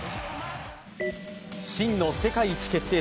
真の世界一決定